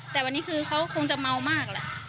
แต่วันนี้คือเขาคงจะเมามากแหละ